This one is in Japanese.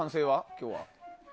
今日は。